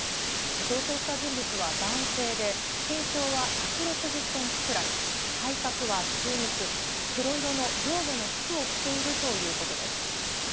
逃走した人物は男性で、身長は１６０センチくらい、体格は中肉、黒色の上下の服を着ているということです。